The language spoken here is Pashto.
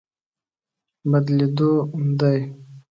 بدلېدو دی.